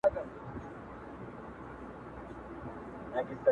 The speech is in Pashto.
چې خدای پر هیچا ظلم نه کوي